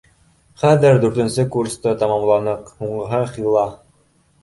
Хәҙер дүртенсе курсты тамамланыҡ, һуңғыһы Хила